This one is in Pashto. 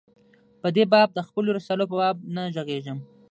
په دې باب د خپلو رسالو په باب نه ږغېږم.